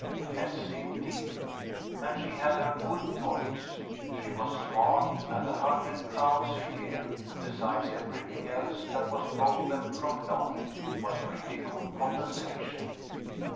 Yes, indeed! And she had her good points. She was smart, and a hundred crowns a year, besides everything else that was brought them from Lon, was pretty good compensation.